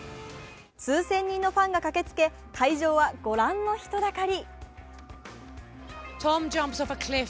数千人のファンが駆けつけ会場はご覧の人だかり。